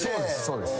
そうです。